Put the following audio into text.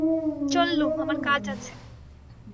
চললুম, আমার কাজ আছে।